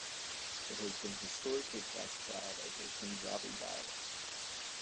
It has been historically classified as a Punjabi dialect.